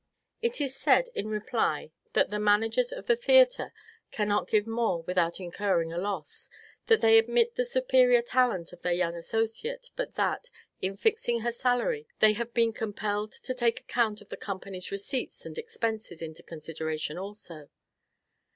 It is said, in reply, that the managers of the theatre cannot give more without incurring a loss; that they admit the superior talent of their young associate; but that, in fixing her salary, they have been compelled to take the account of the company's receipts and expenses into consideration also.